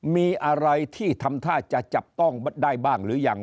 มีอะไรที่ทำท่าจะจับต้องได้บ้างหรือยัง